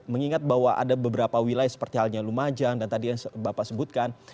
mengingat bahwa ada beberapa wilayah seperti halnya lumajang dan tadi yang bapak sebutkan